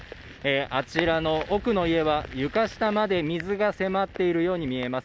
あちらの奥の家は床下まで水が迫っているように見えます。